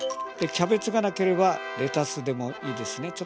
キャベツがなければレタスでもいいですね。